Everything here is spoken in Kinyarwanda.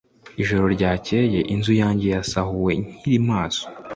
Ijoro ryakeye inzu yanjye yarasahuwe nkiri maso